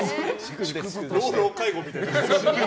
老老介護みたいな。